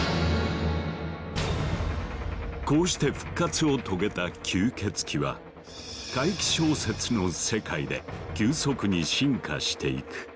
こうして復活を遂げた吸血鬼は怪奇小説の世界で急速に進化していく。